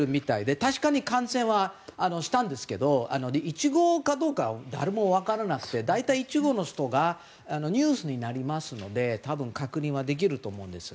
確かに感染はしたんですけど１号かどうかは誰も分からなくて大体１号の人がニュースになりますので多分、確認はできると思うんですが。